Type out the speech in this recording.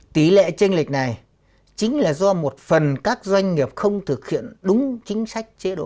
tỷ lệ tranh lệch này chính là do một phần các doanh nghiệp không thực hiện đúng chính sách chế độ